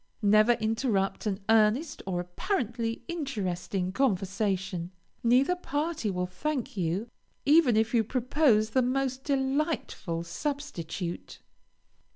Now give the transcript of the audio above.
Never interrupt an earnest or apparently interesting conversation. Neither party will thank you, even if you propose the most delightful substitute.